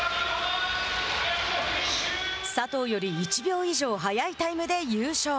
佐藤より１秒以上早いタイムで優勝。